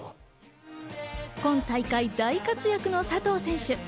今大会大活躍の佐藤選手。